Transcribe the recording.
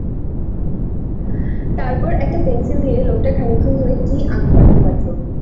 তারপর একটা পেন্সিল দিয়ে লোকটা খানিকক্ষণ ধরে কি আঁক পাড়তে লাগল।